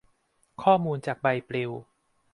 ข้อมูลจากใบปลิว